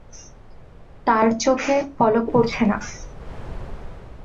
তাঁর চোখে পদক পড়ছে না।